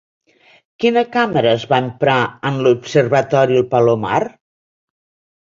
Quina càmera es va emprar en l'Observatori el Palomar?